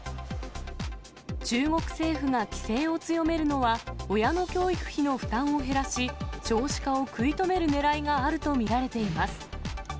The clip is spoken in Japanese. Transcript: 中国政府が規制を強めるのは、親の教育費の負担を減らし、少子化を食い止めるねらいがあると見られています。